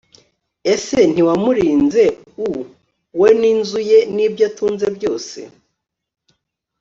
Ese ntiwamurinzeu we n inzu ye n ibyo atunze byose